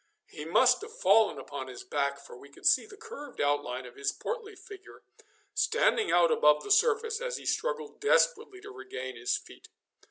He must have fallen upon his back, for we could see the curved outline of his portly figure standing out above the surface as he struggled desperately to regain his feet.